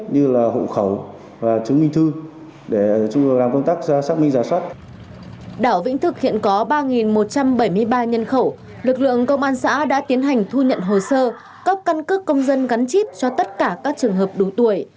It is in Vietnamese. đảo vĩnh thực hiện có ba một trăm bảy mươi ba nhân khẩu lực lượng công an xã đã tiến hành thu nhận hồ sơ cấp căn cước công dân gắn chip cho tất cả các trường hợp đủ tuổi